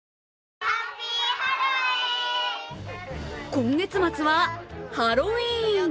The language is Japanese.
今月末は、ハロウィーン。